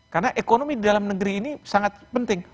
karena ekonomi di dalam negeri ini sangat penting